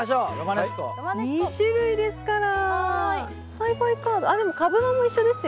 栽培カードあっでも株間も一緒ですよね。